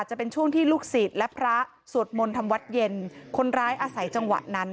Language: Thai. จะเป็นช่วงที่ลูกศิษย์และพระสวดมนต์ทำวัดเย็นคนร้ายอาศัยจังหวะนั้น